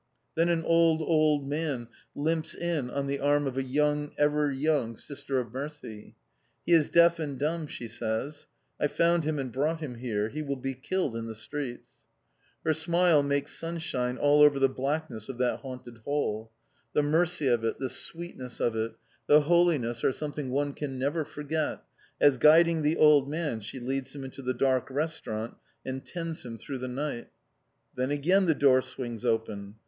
Then an old, old man limps in on the arm of a young, ever young Sister of Mercy. "He is deaf and dumb," she says, "I found him and brought him here. He will be killed in the streets." Her smile makes sunshine all over the blackness of that haunted hall; the mercy of it, the sweetness of it, the holiness are something one can never forget as, guiding the old man, she leads him into the dark restaurant and tends him through the night. Then again the door swings open.